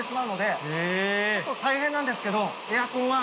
ちょっと大変なんですけど。